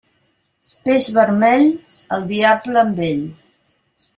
Peix vermell, el diable amb ell.